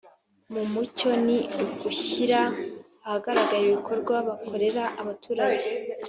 mu mucyo ni ugushyira ahagaragara ibikorwa bakorera abaturage,